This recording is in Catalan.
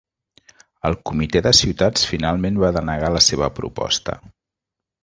El Comitè de Ciutats finalment va denegar la seva proposta.